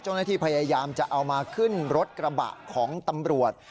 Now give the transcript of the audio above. เจ้าหน้าที่พยายามจะเอามาขึ้นรถกระบะของตำรวจ